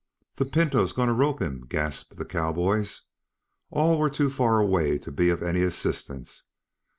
"The Pinto's going to rope him," gasped the cowboys. All were too far away to be of any assistance.